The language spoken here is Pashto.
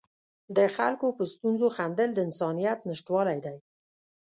د خلکو په ستونزو خندل د انسانیت نشتوالی دی.